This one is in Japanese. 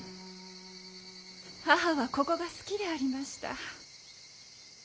母はここが好きでありました。